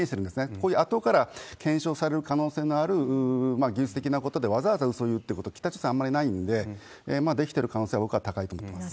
これ、あとから検証される可能性のある技術的なことで、わざわざうそを言うということは北朝鮮、あまりないんで、出来てる可能性は高いと思います。